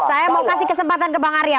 saya mau kasih kesempatan ke bang arya